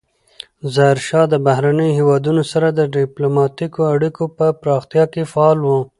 ظاهرشاه د بهرنیو هیوادونو سره د ډیپلوماتیکو اړیکو په پراختیا کې فعال و.